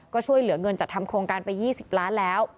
ก็ช่วยเหลือเงินจัดทำโครงการไป๒๐ล้านแล้ว